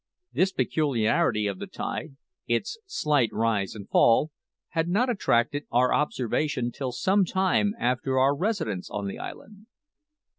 This peculiarity of the tide its slight rise and fall had not attracted our observation till some time after our residence on the island.